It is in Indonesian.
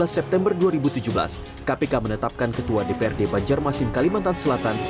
dua belas september dua ribu tujuh belas kpk menetapkan ketua dprd banjarmasin kalimantan selatan